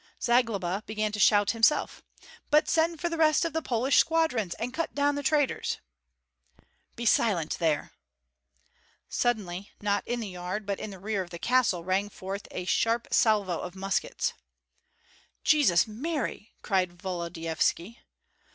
Zagloba began to shout himself: "But send for the rest of the Polish squadrons, and cut down the traitors!" "Be silent there!" Suddenly, not in the yard, but in the rear of the castle, rang forth a sharp salvo of muskets. "Jesus Mary!" cried Volodyovski.